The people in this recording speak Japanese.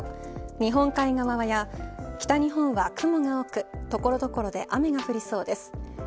日本海側や北日本は雲が多く所々で雨が降りそうで睡眠サポート「グリナ」